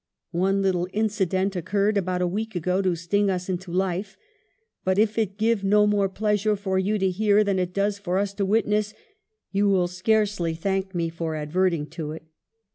One little incident occurred about a week ago to sting us into life ; but, if it give no more pleasure for you to hear than it does for us to witness, you will scarcely thank me for adverting to it.